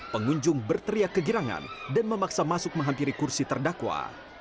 pengunjung berteriak kegirangan dan memaksa masuk menghampiri kursi terdakwa